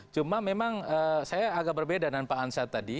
cuma memang saya agak berbeda dengan pak ansad tadi